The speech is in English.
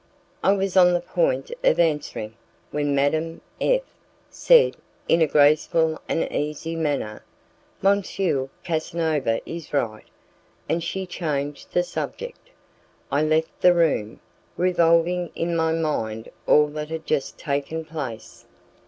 I was on the point of answering, when Madame F said, in a graceful and easy manner, "M. Casanova is right," and she changed the subject. I left the room, revolving in my mind all that had just taken place.